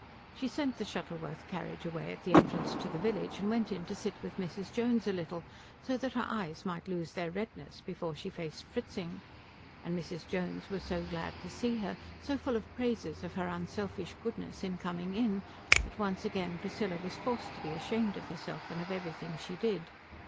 She sent the Shuttleworth carriage away at the entrance to the village and went in to sit with Mrs. Jones a little, so that her eyes might lose their redness before she faced Fritzing; and Mrs. Jones was so glad to see her, so full of praises of her unselfish goodness in coming in, that once again Priscilla was forced to be ashamed of herself and of everything she did.